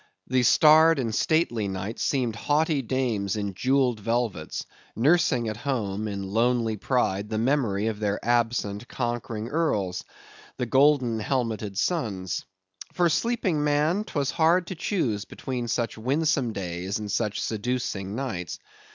The starred and stately nights seemed haughty dames in jewelled velvets, nursing at home in lonely pride, the memory of their absent conquering Earls, the golden helmeted suns! For sleeping man, 'twas hard to choose between such winsome days and such seducing nights.